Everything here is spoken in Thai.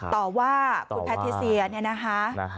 ต่อว่าคุณแพทิเซียเนี่ยนะคะ